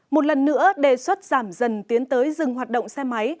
một lần nữa đề xuất giảm dần tiến tới dừng hoạt động xe máy